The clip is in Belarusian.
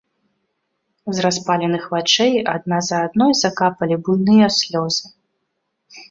З распаленых вачэй адна за адной закапалі буйныя слёзы.